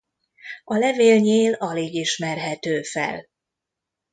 A levélnyél alig ismerhető fel.